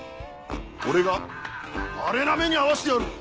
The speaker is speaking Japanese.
俺がアレな目に遭わしてやる！